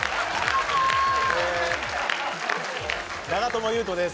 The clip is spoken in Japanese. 長友佑都です